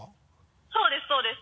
そうですそうです！